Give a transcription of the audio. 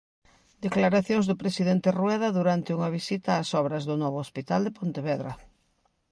Declaracións do presidente Rueda durante unha visita ás obras do novo hospital de Pontevedra.